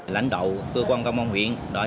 lãnh đạo cơ quan công an huyện đạt